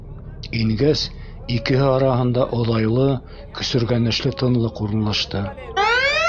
Ингәс икеһе араһында оҙайлы, көсөргәнешле тынлыҡ урынлашты.